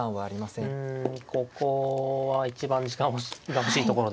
うんここは一番時間が欲しいところで。